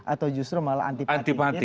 atau justru malah antipati